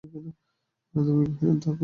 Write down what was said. আনন্দময়ী কহিলেন, তা ও খুব জানে মা!